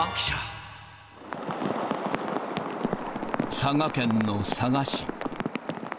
佐賀県の佐賀市。